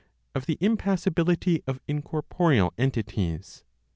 Of the Impassibility of Incorporeal Entities.